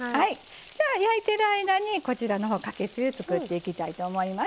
じゃあ焼いてる間にこちらのほうかけつゆ作っていきたいと思います。